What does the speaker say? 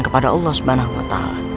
kepada allah swt